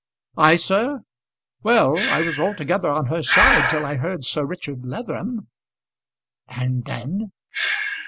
"I, sir! Well, I was altogether on her side till I heard Sir Richard Leatherham." "And then